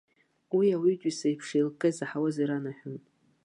Уи ауаҩытәыҩса иеиԥш еилыкка изаҳауаз иранаҳәон.